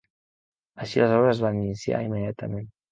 Així les obres es van iniciar immediatament.